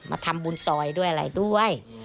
มาทำบุญซอยด้วยอะไรด้วย